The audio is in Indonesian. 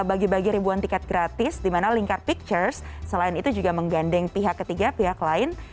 bagi bagi ribuan tiket gratis di mana lingkar pictures selain itu juga menggandeng pihak ketiga pihak lain